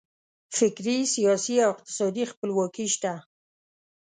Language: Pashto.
فکري، سیاسي او اقتصادي خپلواکي شته.